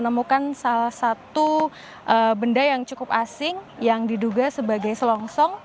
menemukan salah satu benda yang cukup asing yang diduga sebagai selongsong